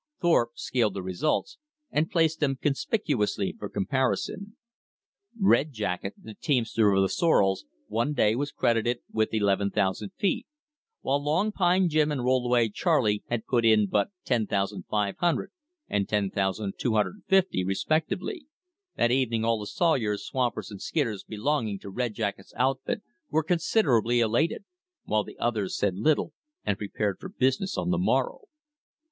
Thorpe scaled the results, and placed them conspicuously for comparison. Red Jacket, the teamster of the sorrels, one day was credited with 11,000 feet; while Long Pine Jim and Rollway Charley had put in but 10,500 and 10,250 respectively. That evening all the sawyers, swampers, and skidders belonging to Red Jacket's outfit were considerably elated; while the others said little and prepared for business on the morrow.